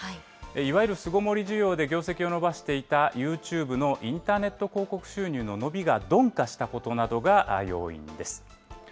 いわゆる巣ごもり需要で業績を伸ばしていたユーチューブのインターネット広告収入の伸びが鈍化したことなどが要因です。